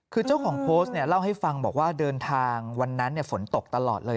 คือเจ้าของโพสต์เนี่ยเล่าให้ฟังบอกว่าเดินทางวันนั้นฝนตกตลอดเลย